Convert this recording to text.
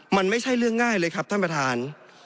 มันไม่ใช่เรื่องง่ายเลยครับท่านประธาน